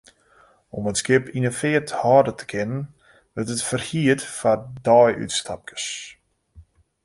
Om it skip yn 'e feart hâlde te kinnen, wurdt it ferhierd foar deiútstapkes.